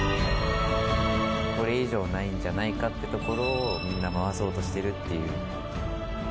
これ以上ないんじゃないかっていうところをみんな回そうとしてるっていう。